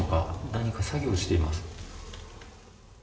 何か作業しています。